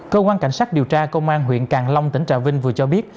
cơ quan cảnh sát điều tra công an huyện càng long tỉnh trà vinh vừa cho biết